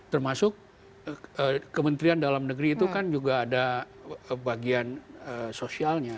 termasuk kementerian dalam negeri itu kan juga ada bagian sosialnya